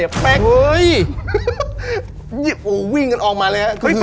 เว้ยวิ่งกันออกมาเลย